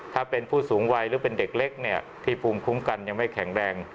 ถ้าเป็นผู้สูงวัยหรือเป็นเด็กเล็กเนี่ยที่ภูมิคุ้มกันยังไม่แข็งแรง